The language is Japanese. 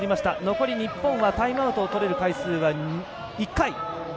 残り日本はタイムアウトをとれる回数は１回。